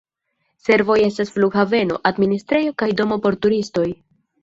Servoj estas flughaveno, administrejo kaj domo por turistoj.